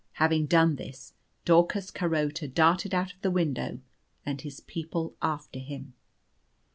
Having done this, Daucus Carota darted out of the window, and his people after him.